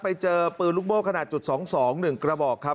ไปเจอปืนลุกโบ้ขนาดจุดสองสองหนึ่งกระบอกครับ